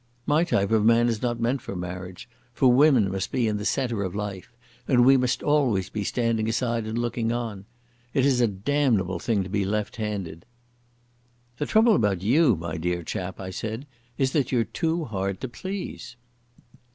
My type of man is not meant for marriage, for women must be in the centre of life, and we must always be standing aside and looking on. It is a damnable thing to be left handed." "The trouble about you, my dear chap," I said, "is that you're too hard to please."